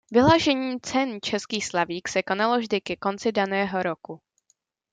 Vyhlášení cen Český Slavík se konalo vždy ke konci daného roku.